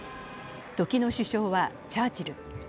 時の首相はチャーチル。